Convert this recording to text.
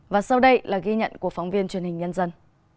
và sau đây là ghi nhận của phóng viên truyền hình nhân dân